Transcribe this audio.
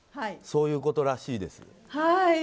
そういうことらしいです。